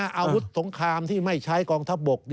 อาวุธสงครามที่ไม่ใช้กองทัพบก